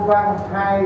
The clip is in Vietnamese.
thì vẫn thực hiện